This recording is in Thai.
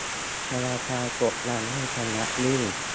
ธนาคารกดดันให้ชำระหนี้